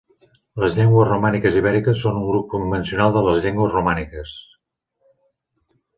Les llengües romàniques ibèriques són un grup convencional de les llengües romàniques.